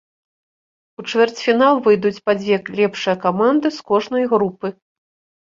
У чвэрцьфінал выйдуць па дзве лепшыя каманды з кожнай групы.